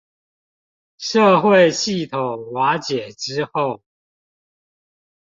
社會系統瓦解之後